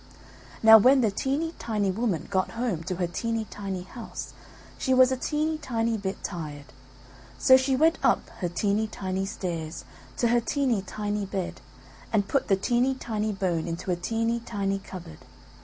Now when the teeny tiny woman got home to her teeny tiny house she was a teeny tiny bit tired; so she went up her teeny tiny stairs to her teeny tiny bed, and put the teeny tiny bone into a teeny tiny cupboard.